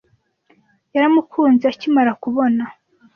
Yaramukunze akimara kubona.